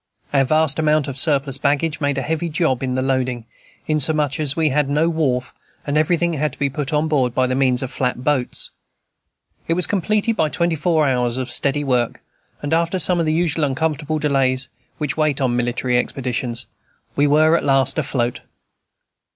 Our vast amount of surplus baggage made a heavy job in the loading, inasmuch as we had no wharf, and everything had to be put on board by means of flat boats. It was completed by twenty four hours of steady work; and after some of the usual uncomfortable delays which wait on military expeditions, we were at last afloat.